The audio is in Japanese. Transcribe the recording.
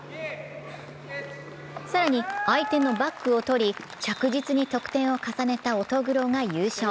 更に相手のバックを取り着実に得点を重ねた乙黒が優勝。